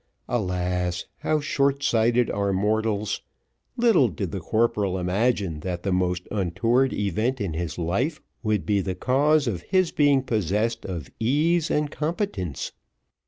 Alas I how short sighted are mortals; little did the corporal imagine that the most untoward event in his life would be the cause of his being possessed of ease and competence.